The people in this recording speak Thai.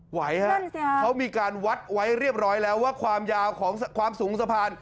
เขามีการวัดไว้เรียบร้อยแล้วว่าความยาวของความสูงสะพาน